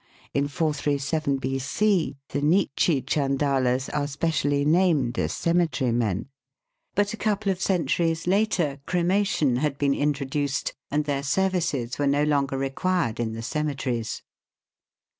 In 437 B.C. the nichi chanddlas are specially named as " cemetery men ;" but a couple of centuries later cremation had been introduced, and their services were no longer re quired in the cemeteries.